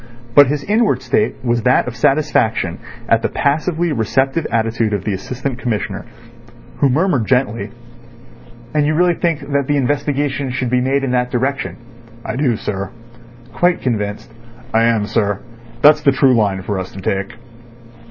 But his inward state was that of satisfaction at the passively receptive attitude of the Assistant Commissioner, who murmured gently: "And you really think that the investigation should be made in that direction?" "I do, sir." "Quite convinced? "I am, sir. That's the true line for us to take."